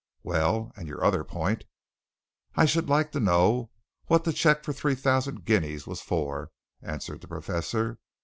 Well, and your other point?" "I should like to know what the cheque for three thousand guineas was for," answered the Professor.